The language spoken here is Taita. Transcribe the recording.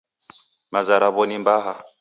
Maza raw'o ni mbaha